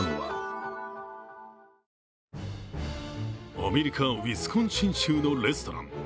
アメリカ・ウィスコンシン州のレストラン。